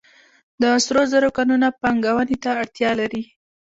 د سرو زرو کانونه پانګونې ته اړتیا لري